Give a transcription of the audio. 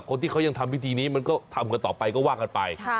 คนที่เขายังทำพิธีนี้มันก็ทำกันต่อไปก็ว่ากันไป